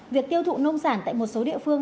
việc tiêu thụ nông sản tại một số địa phương